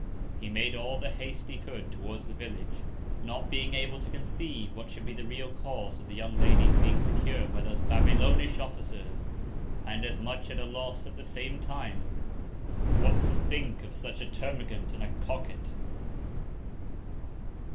He made all the Haste he could towards the Village, not being able to conceive what should be the real Cause of the young Lady's being secur'd by those Babylonish Officers, and as much at a Loss, at the same Time, what to think of such a Termagant and a Coquet.